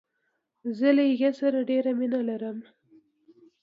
زه له هغې سره ډیره مینه لرم.